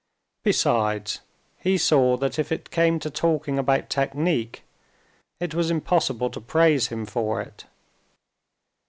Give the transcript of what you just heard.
Besides, he saw that if it came to talking about technique, it was impossible to praise him for it.